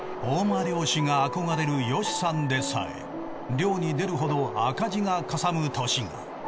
大間漁師があこがれるヨシさんでさえ漁に出るほど赤字がかさむ年が。